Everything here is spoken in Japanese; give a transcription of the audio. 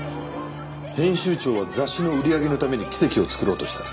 編集長は雑誌の売り上げのために奇跡を作ろうとした。